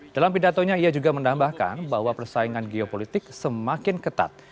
dalam pidatonya ia juga menambahkan bahwa persaingan geopolitik semakin ketat